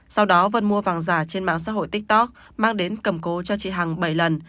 sau đó vân mua vàng giả trên mạng xã hội tiktok mang đến cầm cố cho chị hằng bảy lần